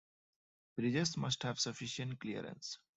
Bridges must have sufficient clearance.